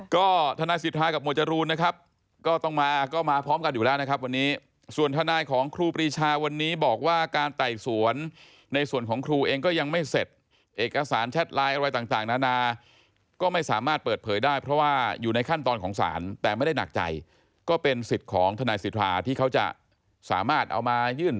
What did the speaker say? ก็ทนายสิทธากับหมวดจรูนนะครับก็ต้องมาก็มาพร้อมกันอยู่แล้วนะครับวันนี้ส่วนทนายของครูปรีชาวันนี้บอกว่าการไต่สวนในส่วนของครูเองก็ยังไม่เสร็จเอกสารแชทไลน์อะไรต่างนานาก็ไม่สามารถเปิดเผยได้เพราะว่าอยู่ในขั้นตอนของศาลแต่ไม่ได้หนักใจก็เป็นสิทธิ์ของทนายสิทธาที่เขาจะสามารถเอามายื่น